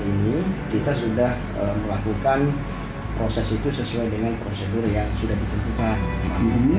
ini kita sudah melakukan proses itu sesuai dengan prosedur yang sudah ditentukan